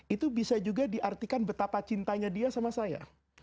itu bisa juga diartikan betapa cintanya dia sama saya